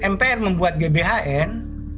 mpr membuat gbhn